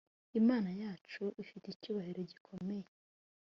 imana yacu ifite icyubahiro gikomeye